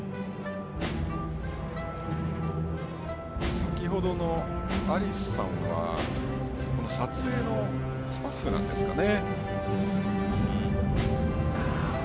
先程のアリスさんは撮影のスタッフなんですかね。